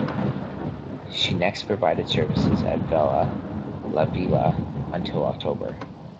She next provided services at Vella Lavella until October.